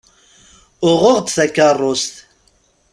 Uɣeɣ-d takerrust.